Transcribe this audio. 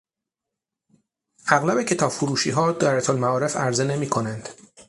اغلب کتاب فروشیها دایرهالمعارف عرضه نمیکنند.